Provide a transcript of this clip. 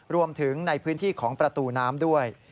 รวมถึงในพื้นที่ของประตูน้ำด้วย